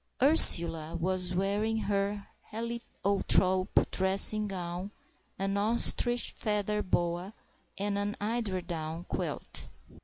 Ursula was wearing her heliotrope dressing gown, an ostrich feather boa, and an eiderdown quilt.